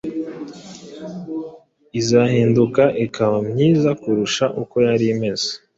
izahinduka ikaba myiza kurusha uko yari imeze,